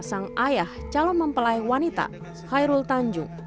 sang ayah calon mempelai wanita khairul tanjung